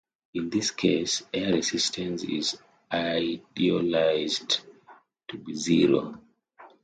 In this case, air resistance is idealized to be zero.